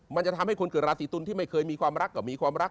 มันจะทำให้คนเกิดราศีตุลที่ไม่เคยมีความรักก็มีความรัก